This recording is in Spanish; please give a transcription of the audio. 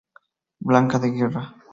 Blanca de Guerra.